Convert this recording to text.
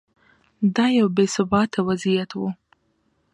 دا یو بې ثباته وضعیت و.